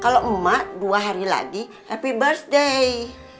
kalau emak dua hari lagi happy birthday